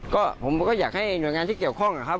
ก็ผมก็อยากให้หน่วยงานที่เกี่ยวข้องนะครับ